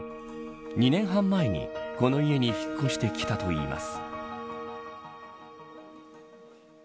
２年半前に、この家に引っ越してきたといいます。